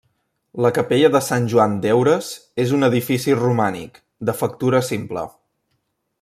La capella de Sant Joan d'Heures és un edifici romànic, de factura simple.